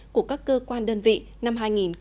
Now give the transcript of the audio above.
của các cơ quan đơn vị năm hai nghìn hai mươi